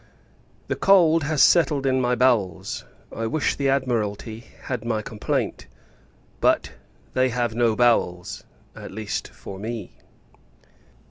The cold has settled in my bowels. I wish the Admiralty had my complaint: but, they have no bowels; at least, for me.